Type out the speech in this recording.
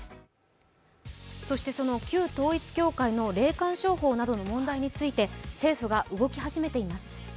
そしてその旧統一教会の霊感商法などの問題について政府が動き始めています。